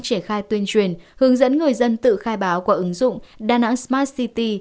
triển khai tuyên truyền hướng dẫn người dân tự khai báo qua ứng dụng đa nẵng smart city